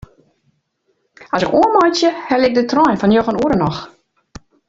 As ik oanmeitsje helje ik de trein fan njoggen oere noch.